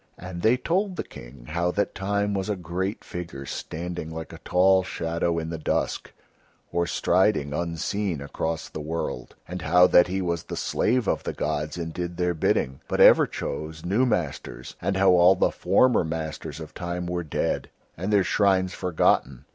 And they told the King how that Time was a great figure standing like a tall shadow in the dusk or striding, unseen, across the world, and how that he was the slave of the gods and did Their bidding, but ever chose new masters, and how all the former masters of Time were dead and Their shrines forgotten.